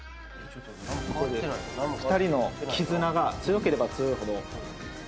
２人の絆が強ければ強いほど。